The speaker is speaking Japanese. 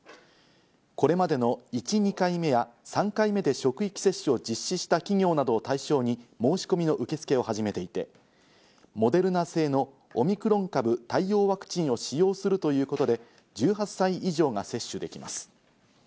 これまでの１２回目や３回目で職域接種を実施した企業などを対象に申し込みの受け付けを始めていて、モデルナ製のオミクロン株対応ワクチンを使用するということで１８歳以上が接種できます。